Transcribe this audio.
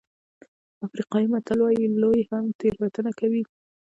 افریقایي متل وایي لوی هم تېروتنه کوي.